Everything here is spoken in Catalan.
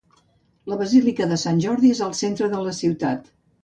La basílica de Sant Jordi és al centre de la ciutat.